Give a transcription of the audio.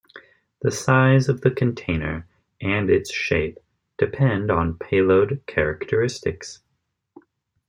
The size of the container and its shape depend on payload characteristics.